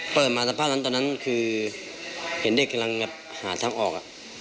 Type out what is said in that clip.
เปิดมาสังพัฒน์ตอนคือเห็นเด็กกำลังหาทางออก